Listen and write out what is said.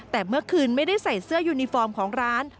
แต่เมื่อคืนไม่ได้ใส่เสื้อยูนิฟอร์มของร้าน